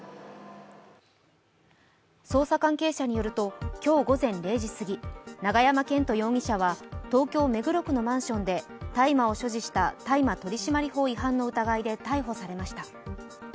捜査関係者によると今日午前０時過ぎ、永山絢斗容疑者は東京・目黒区のマンションで大麻を所持した大麻取締法違反の疑いで逮捕されました。